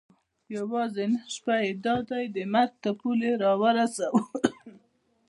یوازې نن شپه یې دا دی د مرګ تر پولې را ورسولو.